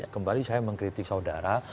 kembali saya mengkritik saudara